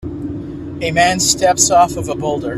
A man steps off of a boulder.